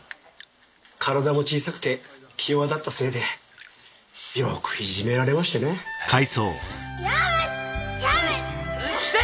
体も小さくて気弱だったせいでよくいじめられましてねへぇやめやめてうっせぇ！